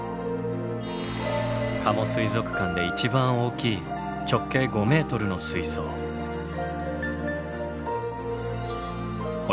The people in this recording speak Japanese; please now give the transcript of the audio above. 加茂水族館で一番大きい直径５ｍの水槽。が泳いでいます。